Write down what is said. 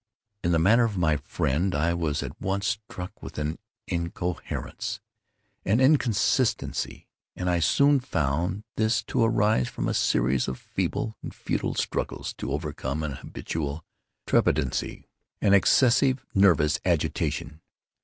In the manner of my friend I was at once struck with an incoherence—an inconsistency; and I soon found this to arise from a series of feeble and futile struggles to overcome an habitual trepidancy—an excessive nervous agitation.